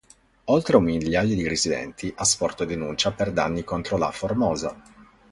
Oltre un migliaio di residenti ha sporto denuncia per danni contro la Formosa.